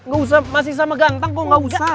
gak usah masih sama ganteng kok nggak usah